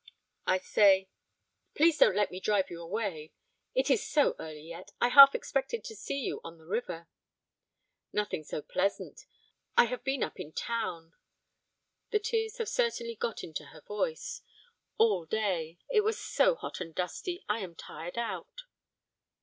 I say 'Please don't let me drive you away, it is so early yet. I half expected to see you on the river.' 'Nothing so pleasant; I have been up in town (the tears have certainly got into her voice) all day; it was so hot and dusty, I am tired out.'